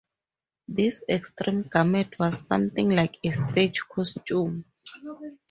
This extreme garment was something like a stage costume.